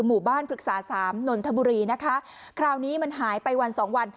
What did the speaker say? หมู่บ้านผลึกษา๓นนทบุรีนะคะคราวนี้มันหายไป๑๒วัน